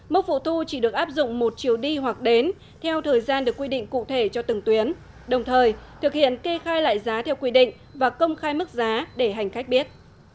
mức phụ thu chỉ được áp dụng một chiều đi hoặc đến theo thời gian được quy định cụ thể cho từng tuyến đồng thời thực hiện kê khai lại giá theo quy định và công khai mức giá để hành khách biết